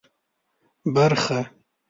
برخه